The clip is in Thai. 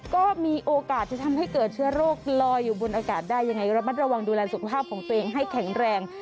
ก็มีโอกาสจะทำให้เกิดเชื้อโรคลอยอยู่บนอากาศได้ยังไงระมัดระวังดูแลสุขภาพของตัวเองให้แข็งแรง